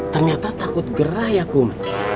ternyata takut gerah ya kum